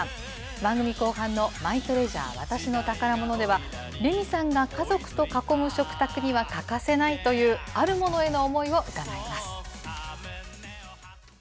番組後半のマイトレジャー・私の宝ものでは、レミさんが家族と囲む食卓には欠かせないという、あるものへの思いを伺います。